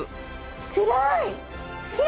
暗い！